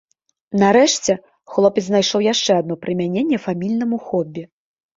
Нарэшце, хлопец знайшоў яшчэ адно прымяненне фамільнаму хобі.